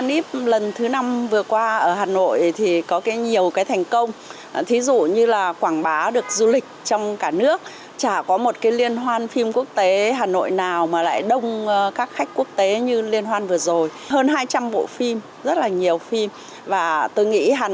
rất nhiều bộ phim hay